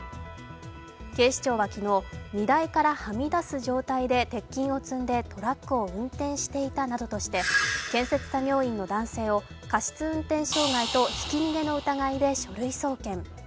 警視庁は昨日荷台からはみ出す状態で鉄筋を積んでトラックを運転していたなどとして建設作業員の男性を過失運転傷害とひき逃げの疑いで書類送検。